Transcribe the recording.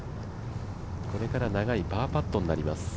これから長いパーパットになります。